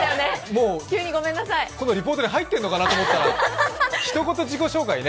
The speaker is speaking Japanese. もうこのリポートに入ってるのかと思ったらひと言自己紹介ね。